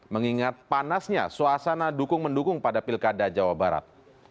mengingat panasnya suasana dukung mendukung pada pilkada jawa barat